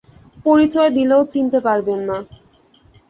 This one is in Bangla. পরিচয় দিলেও চিনতে পারবেন না।